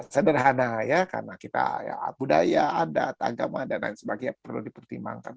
sederhana ya karena kita ya budaya adat agama dan lain sebagainya perlu dipertimbangkan